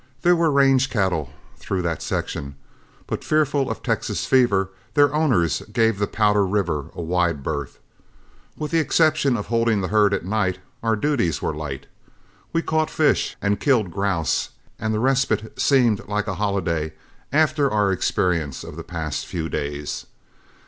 There were range cattle through that section, but fearful of Texas fever, their owners gave the Powder River a wide berth. With the exception of holding the herd at night, our duties were light. We caught fish and killed grouse; and the respite seemed like a holiday after our experience of the past few days.